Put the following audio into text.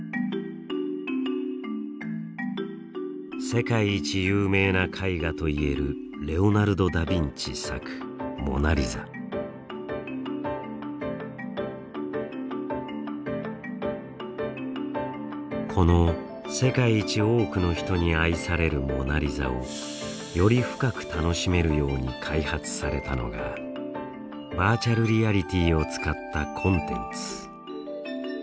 世界一有名な絵画といえるこの世界一多くの人に愛される「モナリザ」をより深く楽しめるように開発されたのがバーチャルリアリティーを使ったコンテンツ。